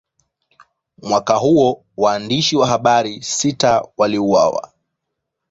Mwaka huo, waandishi wa habari sita waliuawa.